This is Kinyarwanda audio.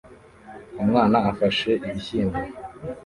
Umwana afashe ibishyimbo